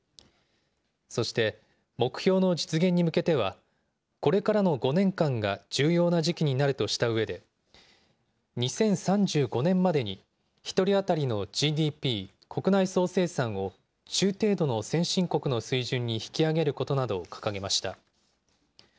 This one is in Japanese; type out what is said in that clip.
そして、目標の実現に向けては、これからの５年間が重要な時期になるとしたうえで、２０３５年までに１人当たりのＧＤＰ・国内総生産を中程度の先進国の水準に引き上げることなどを掲げました。